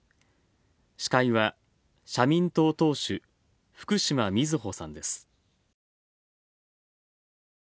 司会は、社民党党首福島みずほさんです。